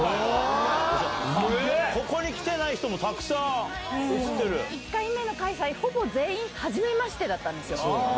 ここに来てない人もたくさん１回目の開催、ほぼ全員、はじめましてだったんですよ。